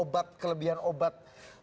dari kelebihan obat